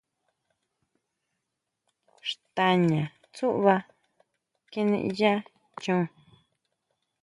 Xtaña tsúʼba keneya choon.